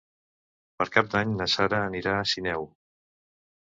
Per Cap d'Any na Sara anirà a Sineu.